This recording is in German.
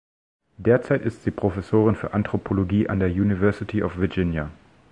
Derzeit ist sie Professorin für Anthropologie an der University of Virginia.